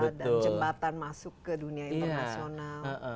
dan jembatan masuk ke dunia internasional